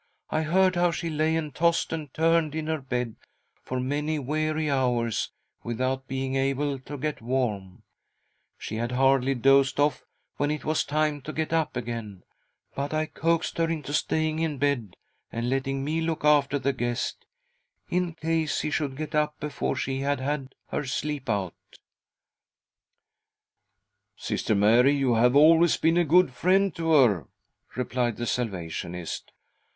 " I heard how she lay and tossed and turned in her bed, for many weary hours, without being able to get warm. She had hardly dozed off when it was time to get up again, but I coaxed her into staying in bed and letting me look after the guest, in case he should get up before she had had her sleep out." ■.•;• ■•■v.. ^....r ^!? 80 THY SOUL SHALL BEAR WITNESS !" Sister Mary, you have always been a good friend to her," replied the Salvationist.